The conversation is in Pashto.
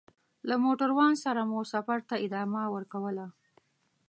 له موټروان سره مو سفر ته ادامه ورکوله.